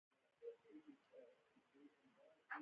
سپوږمۍ دریه وهي